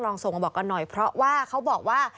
ส่งมาบอกกันหน่อยเพราะว่าเขาบอกว่า